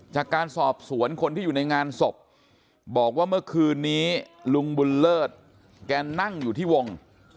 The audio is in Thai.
จากการสอบสวนคนที่อยู่ในงานศพบอกว่าเมื่อคืนนี้ลุงบุญเลิศแกนั่งอยู่ที่วง